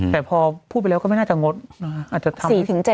แต่พอพูดไปแล้วก็ไม่น่าจะงดอาจจะทำ